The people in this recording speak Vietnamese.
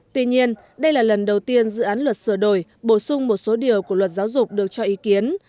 tuy nhiên đây là lần đầu tiên dự án luật sửa đổi bổ sung một số điều của luật giáo dục được cho ý kiến